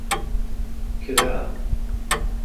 کرا.